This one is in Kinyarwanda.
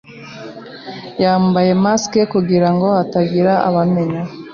Yambaye mask kugirango hatagira ubamenya.